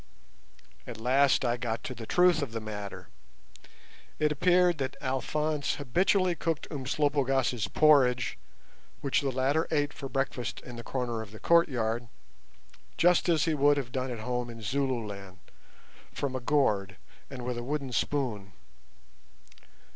At last I got to the truth of the matter. It appeared that Alphonse habitually cooked Umslopogaas's porridge, which the latter ate for breakfast in the corner of the courtyard, just as he would have done at home in Zululand, from a gourd, and with a wooden spoon.